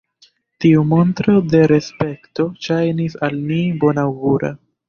Tiu montro de respekto ŝajnis al ni bonaŭgura.